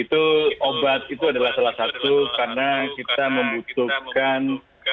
itu obat itu adalah salah satu karena kita membutuhkan